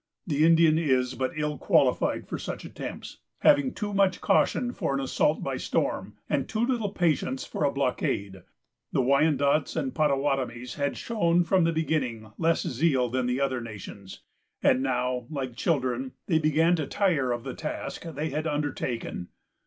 The Indian is but ill qualified for such attempts, having too much caution for an assault by storm, and too little patience for a blockade. The Wyandots and Pottawattamies had shown, from the beginning, less zeal than the other nations; and now, like children, they began to tire of the task they had undertaken.